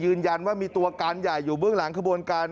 ยืนยันว่ามีตัวการใหญ่อยู่เบื้องหลังขบวนการ